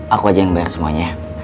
aku aja yang bayar semuanya